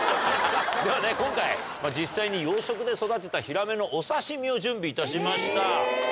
ではね今回実際に養殖で育てたヒラメのお刺し身を準備いたしました。